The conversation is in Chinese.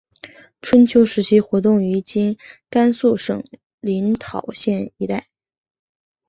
春秋时期活动于今甘肃省临洮县一带。